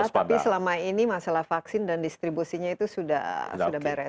tapi selama ini masalah vaksin dan distribusinya itu sudah beres